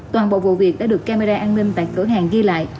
toàn bộ vụ việc đã được camera an ninh tại cửa hàng ghi lại